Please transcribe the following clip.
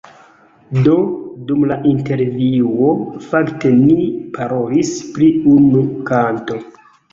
Do, dum la intervjuo; fakte ni parolis pri unu kanto